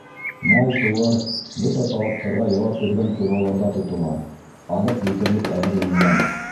Мал-тыуар бөтә талаптарға яуап биргән ҡураларҙа тотола, аҙыҡ етерлек әҙерләнгән.